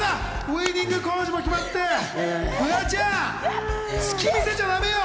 いや、ウイニング浩次も決まってフワちゃん、隙みせちゃだめよ。